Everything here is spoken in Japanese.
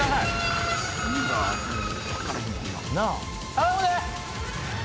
頼むで！